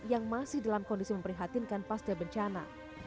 yang masih dalam kondisi memprihatinkan pas dia bencana